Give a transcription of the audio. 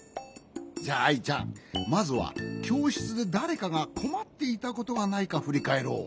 じゃあアイちゃんまずはきょうしつでだれかがこまっていたことがないかふりかえろう。